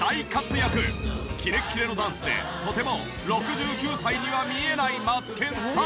キレッキレのダンスでとても６９歳には見えないマツケンさん。